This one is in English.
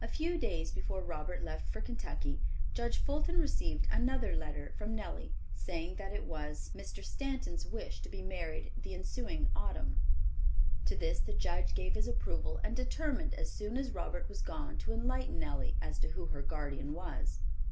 A few days before Robert left for Kentucky Judge Fulton received another letter from Nellie, saying that it was Mr. Stanton's wish to be married the ensuing autumn. To this the judge gave his approval and determined as soon as Robert was gone to enlighten Nellie as to who her guardian was.